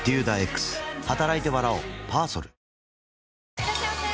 いらっしゃいませ！